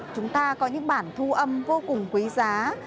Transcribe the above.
chúng ta có những bản thu âm vô cùng quý giá